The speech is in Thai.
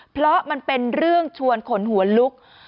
เพราะมันเป็นเรื่องชวนขนหัวลุก